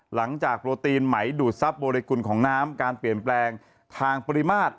โปรตีนไหมดูดทรัพย์บริกุลของน้ำการเปลี่ยนแปลงทางปริมาตร